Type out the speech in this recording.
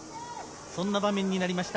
そんな場面になりました。